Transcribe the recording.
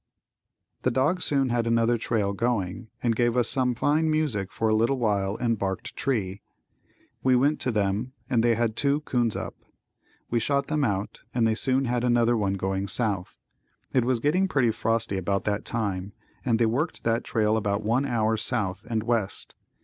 The dogs soon had another trail going and gave us some fine music for a little while and barked treed. We went to them and they had two 'coons up. We shot them out, and they soon had another one going south. It was getting pretty frosty about that time and they worked that trail about one hour south and west.